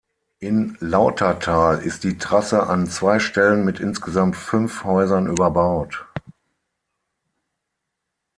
In Lautertal ist die Trasse an zwei Stellen mit insgesamt fünf Häusern überbaut.